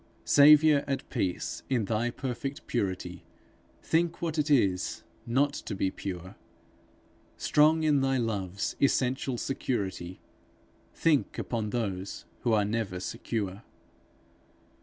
Saviour, at peace in thy perfect purity, Think what it is, not to be pure! Strong in thy love's essential security, Think upon those who are never secure.